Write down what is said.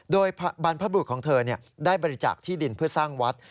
โดยบรรพบรุษของเธอได้บริจาคที่ดินเพื่อสร้างวัด